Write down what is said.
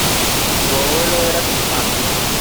Su abuelo era cirujano.